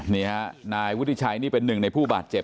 นี่ฮะนายวุฒิชัยนี่เป็นหนึ่งในผู้บาดเจ็บ